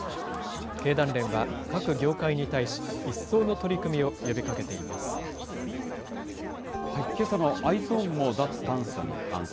経団連は、各業界に対し、一層の取り組みを呼びかけています。